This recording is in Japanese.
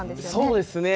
そうですね。